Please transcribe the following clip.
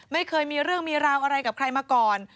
ไม่เคยมีเรื่องมีราวอะไรกับใครมาก่อน